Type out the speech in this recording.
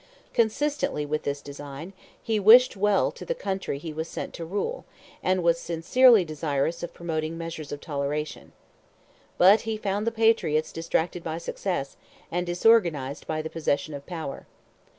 Consistently with this design, he wished well to the country he was sent to rule, and was sincerely desirous of promoting measures of toleration. But he found the Patriots distracted by success, and disorganized by the possession of power.